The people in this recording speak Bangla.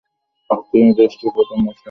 তিনি দেশটির প্রথম মুসলিম নারী আইনজীবী।